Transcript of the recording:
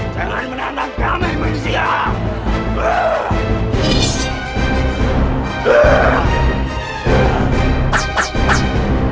jangan menandatangani manusia